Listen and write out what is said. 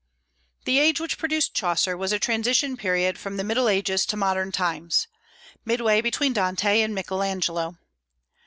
The age which produced Chaucer was a transition period from the Middle Ages to modern times, midway between Dante and Michael Angelo.